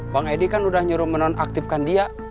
bang edi kan udah nyuruh menonaktifkan dia